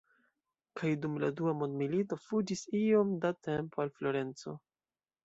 Kaj dum la Dua Mondmilito fuĝis iom da tempo al Florenco.